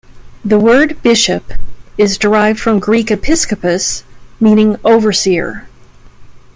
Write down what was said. The word "bishop" is derived from Greek "episcopos", meaning "overseer".